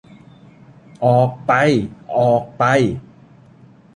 ออกไป ! ออกไป !